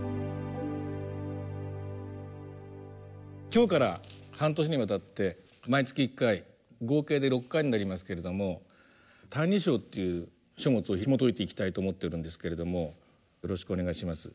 今日から半年にわたって毎月１回合計で６回になりますけれども「歎異抄」という書物をひもといていきたいと思ってるんですけれどもよろしくお願いします。